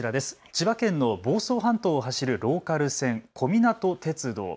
千葉県の房総半島を走るローカル線、小湊鐵道。